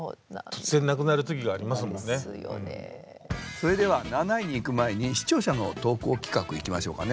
それでは７位に行く前に視聴者の投稿企画いきましょうかね。